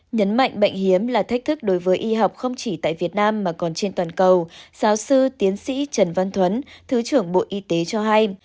nhấn mạnh bệnh hiếm là thách thức đối với y học không chỉ tại việt nam mà còn trên toàn cầu giáo sư tiến sĩ trần văn thuấn thứ trưởng bộ y tế cho hay